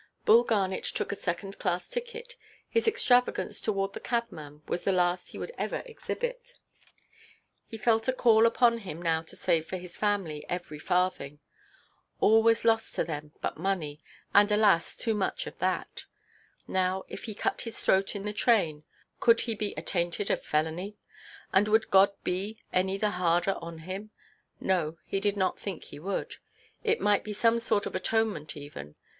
Bull Garnet took a second–class ticket. His extravagance towards the cabman was the last he would ever exhibit. He felt a call upon him now to save for his family every farthing. All was lost to them but money, and alas, too much of that. Now if he cut his throat in the train, could he be attainted of felony? And would God be any the harder on him? No, he did not think He would. It might be some sort of atonement even.